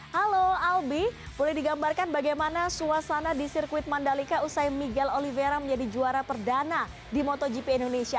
halo albi boleh digambarkan bagaimana suasana di sirkuit mandalika usai miguel olivera menjadi juara perdana di motogp indonesia